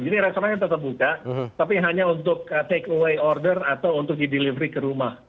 jadi restorannya tetap buka tapi hanya untuk take away order atau untuk di delivery ke rumah